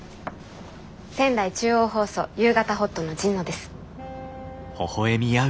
仙台中央放送「夕方ほっと」の神野です。